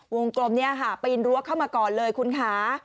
กลมนี้ค่ะปีนรั้วเข้ามาก่อนเลยคุณค่ะ